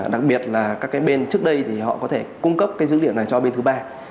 đặc biệt là các cái bên trước đây thì họ có thể cung cấp cái dữ liệu này cho bên thứ ba